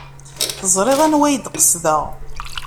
Teẓrid anwa ay d-qesdeɣ.